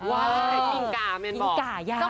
ว้าวอิงกาย่าง